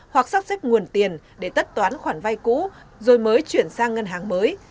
hoặc sắp xếp nguồn tiền để tất toán khoản vay cũ rồi mới chuyển sang ngân hàng mới